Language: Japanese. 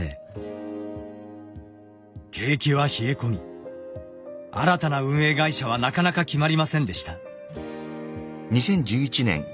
景気は冷え込み新たな運営会社はなかなか決まりませんでした。